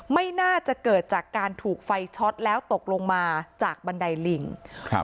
ไม่น่าจะเกิดจากการถูกไฟช็อตแล้วตกลงมาจากบันไดลิงครับ